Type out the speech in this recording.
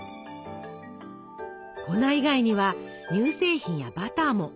粉以外には乳製品やバターも。